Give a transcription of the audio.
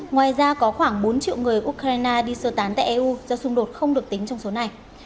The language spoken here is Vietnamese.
ngoài ra có khoảng bốn triệu người ukraine đi sơ tán tại eu do xung đột không được tính trong số này